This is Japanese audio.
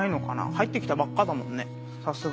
入ってきたばっかだもんね。